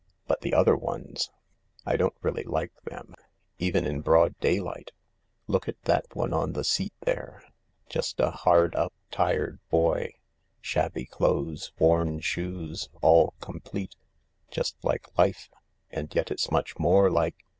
But the other ones— I don't really like them, even in broad daylight. Look at that one on the seat there— just a hard up, tired boy ^ shabby clothes, worn shoes— .all complete— just like life, and yet it's much more like